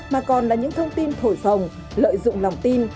mà còn là những thông tin thổi phồng lợi dụng lòng tin